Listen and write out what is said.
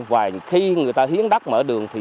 và khi người ta hiến đất mở đường thì